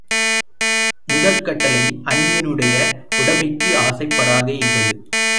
முதற் கட்டளை, அன்னியனுடைய உடைமைக்கு ஆசைப் படாதே என்பது.